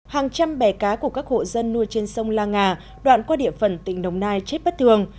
hàng trăm bè cá của các hộ dân nuôi trên sông la nga đoạn qua địa phần tỉnh đồng nai chết bất thường